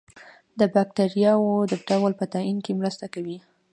د باکتریاوو د ډول په تعین کې مرسته کوي.